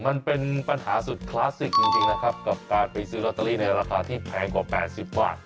มันเป็นปัญหาสุดคลาสสิกจริงนะครับกับการไปซื้อลอตเตอรี่ในราคาที่แพงกว่า๘๐บาท